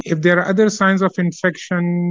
jika ada tanda tanda infeksi lain